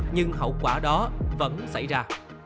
nhưng hậu quả đó vẫn xảy ra